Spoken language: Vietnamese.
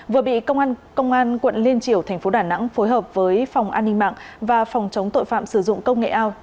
vừa bị công an quận liên triều thành phố đà nẵng phối hợp với phòng an ninh mạng và phòng chống tội phạm sử dụng công nghệ ao